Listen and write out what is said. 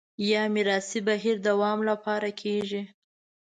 یا میراثي بهیر دوام لپاره کېږي